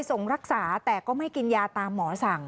มีคนร้องบอกให้ช่วยด้วยก็เห็นภาพเมื่อสักครู่นี้เราจะได้ยินเสียงเข้ามาเลย